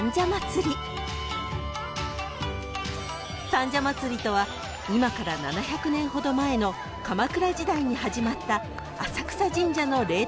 ［三社祭とは今から７００年ほど前の鎌倉時代に始まった浅草神社の例大祭］